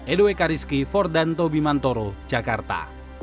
edo eka rizky ford dan tobi mantoro jakarta